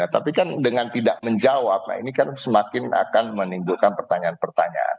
tapi kan dengan tidak menjawab ini kan semakin akan menimbulkan pertanyaan pertanyaan